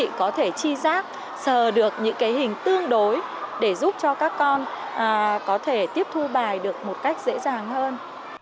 chị có thể chi giác sờ được những cái hình tương đối để giúp cho các con có thể tiếp thu bài được một cách dễ dàng hơn